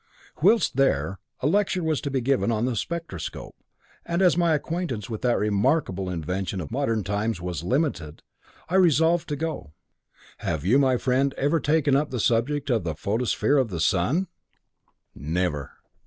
Whilst there, a lecture was to be given on the spectroscope, and as my acquaintance with that remarkable invention of modern times was limited, I resolved to go. Have you, my friend, ever taken up the subject of the photosphere of the sun?" "Never."